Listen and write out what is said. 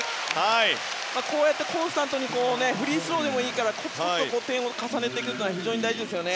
こうやってコンスタントにフリースローでもいいからコツコツと点を重ねていくことは非常に大事ですね。